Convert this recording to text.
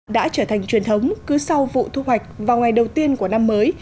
đã trở thành truyền thống cứ sau vụ thu hoạch vào ngày đầu tiên của năm mới